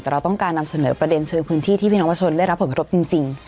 แต่เราต้องการนำเสนอประเด็นเชิงพื้นที่ที่พี่น้องประชนได้รับผลกระทบจริง